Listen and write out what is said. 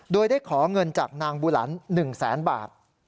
โดยได้ขอเงินจากนางบูหลัน๑แสนบาท